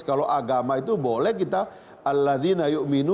kalau agama itu boleh kita